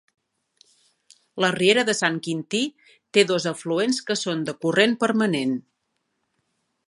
La riera de sant Quintí té dos afluents que són de corrent permanent.